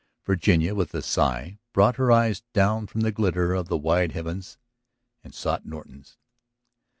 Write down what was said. Virginia, with a sigh, brought her eyes down from the glitter of the wide heavens and sought Norton's.